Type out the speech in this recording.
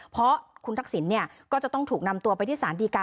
เพราะคุณทักษิณก็จะต้องถูกนำตัวไปที่สารดีการ